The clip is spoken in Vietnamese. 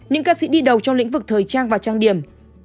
những ca sĩ đi đầu trong lĩnh vực thời trang và trang điểm